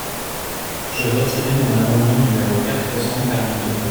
Je retirer mon amendement numéro quatre cent quarante-deux.